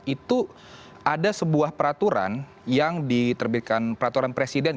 itu ada sebuah peraturan yang diterbitkan peraturan presiden